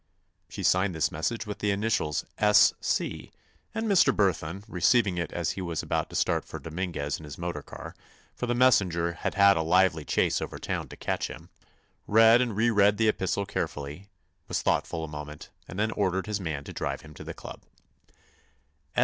She signed this message with the initials "S. C." and Mr. Burthon, receiving it as he was about to start for Dominguez in his motor car, for the messenger had had a lively chase over town to catch him, read and reread the epistle carefully, was thoughtful a moment, and then ordered his man to drive him to the club.